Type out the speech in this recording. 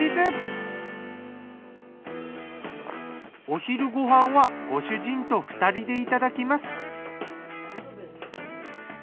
お昼ご飯はご主人と２人でいただきます。